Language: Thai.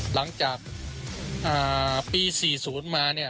หลังจากปี๔๐มาเนี่ย